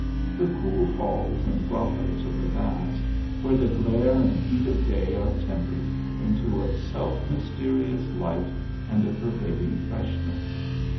The cool halls and grcttoes of the baths, where the glare and heat of day are tempered into a self mysterious light and a pervading fresh ness.